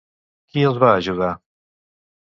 Qui els va ajudar?